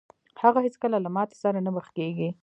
هغه هېڅکله له ماتې سره نه مخ کېږي.